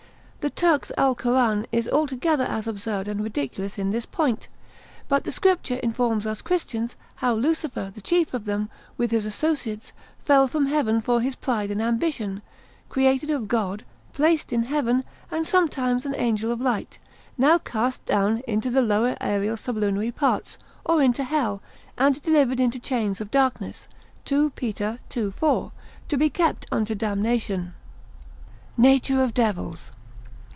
The Turks' Alcoran is altogether as absurd and ridiculous in this point: but the Scripture informs us Christians, how Lucifer, the chief of them, with his associates, fell from heaven for his pride and ambition; created of God, placed in heaven, and sometimes an angel of light, now cast down into the lower aerial sublunary parts, or into hell, and delivered into chains of darkness (2 Pet. ii. 4.) to be kept unto damnation. _Nature of Devils.